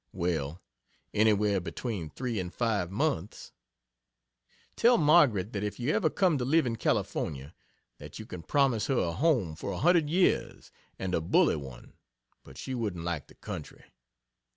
Well, anywhere between three and five months. Tell Margaret that if you ever come to live in California, that you can promise her a home for a hundred years, and a bully one but she wouldn't like the country.